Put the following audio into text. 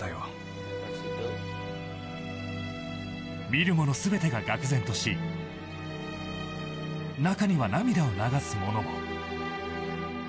見るもの全てががく然とし中には涙を流すものも。